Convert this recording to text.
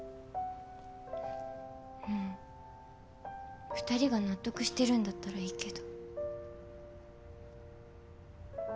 まあふたりが納得してるんだったらいいけど。